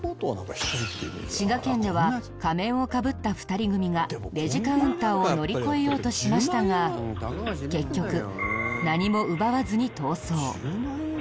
滋賀県では仮面をかぶった２人組がレジカウンターを乗り越えようとしましたが結局何も奪わずに逃走。